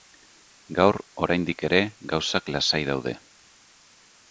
Gaur, oraindik ere, gauzak lasai daude.